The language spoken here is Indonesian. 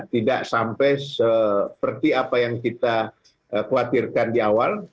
tidak sampai seperti apa yang kita khawatirkan di awal